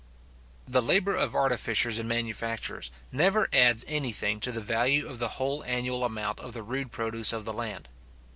The labour of artificers and manufacturers never adds any thing to the value of the whole annual amount of the rude produce of the land.